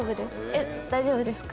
えっ大丈夫ですか？